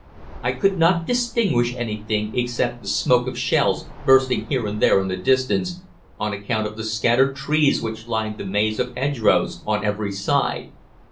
I could not distinguish anything except the smoke of shells bursting here and there in the distance, on account of the scattered trees which lined the maze of hedgerows on every side.